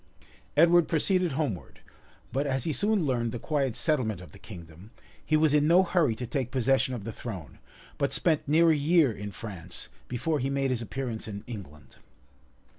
[*] Edward proceeded homeward; but as he soon learned the quiet settlement of the kingdom, he was in no hurry to take possession of the throne, but spent near a year in France, before he made his appearance in England.